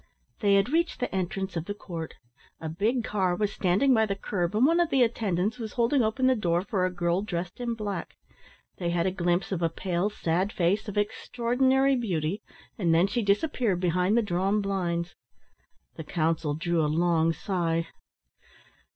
They had reached the entrance of the Court. A big car was standing by the kerb and one of the attendants was holding open the door for a girl dressed in black. They had a glimpse of a pale, sad face of extraordinary beauty, and then she disappeared behind the drawn blinds. The counsel drew a long sigh.